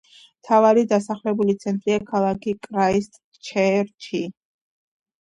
მთავარი დასახლებული ცენტრია ქალაქი კრაისტჩერჩი.